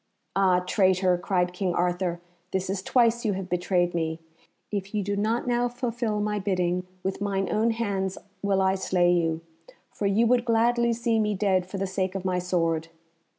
"Ah, traitor!" cried King Arthur, "this is twice you have betrayed me. If you do not now fulfil my bidding, with mine own hands will I slay you, for you would gladly see me dead for the sake of my sword."